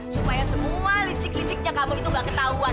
supaya semua licik liciknya kamu itu nggak ketahuan